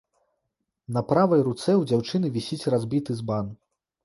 На правай руцэ ў дзяўчыны вісіць разбіты збан.